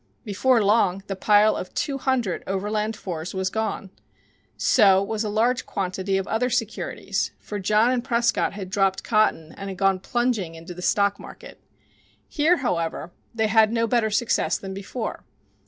Before long the pile of two hundred Overland 4s was gone. So was a large quantity of other securities, for John and Prescott had dropped cotton and gone plunging into the stock market. Here, however, they had no better success than before.